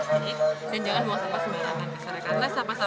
kesadaran karena sampah sampah yang nggak ke tpa